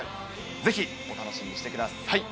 ぜひお楽しみにしてください。